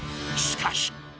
［しかし］